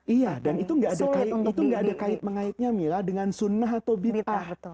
iya dan itu gak ada kait mengaitnya mila dengan sunnah atau bid'ah